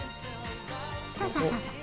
そうそうそうそう。